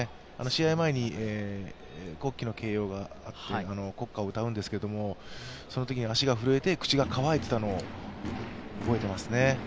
試合前に国旗の掲揚があって国歌を歌うんですけどそのときに足が震えて口が渇いていたのを覚えていますね。